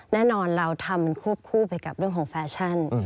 แน่นอนเราทำมันควบคู่ไปกับเรื่องของแฟชั่น